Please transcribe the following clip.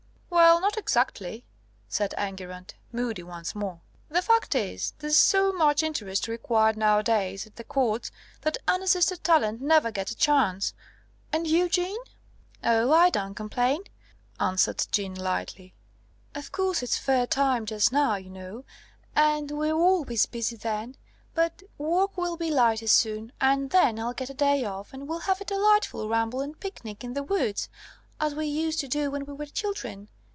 "Well, not exactly," said Enguerrand, moody once more. "The fact is, there's so much interest required nowadays at the courts that unassisted talent never gets a chance. And you, Jeanne?" "Oh, I don't complain," answered Jeanne lightly. "Of course, it's fair time just now, you know, and we're always busy then. But work will be lighter soon, and then I'll get a day off, and we'll have a delightful ramble and picnic in the woods, as we used to do when we were children.